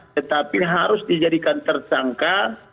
tetapi harus dijadikan tersangka